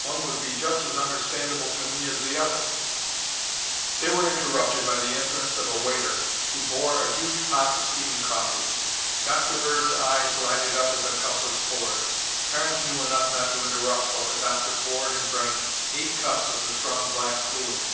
One would be just as understandable to me as the other." They were interrupted by the entrance of a waiter who bore a huge pot of steaming coffee. Dr. Bird's eyes lighted up as a cup was poured. Carnes knew enough not to interrupt while the doctor poured and drank eight cups of the strong black fluid.